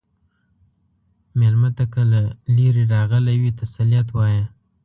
مېلمه ته که له لرې راغلی وي، تسلیت وایه.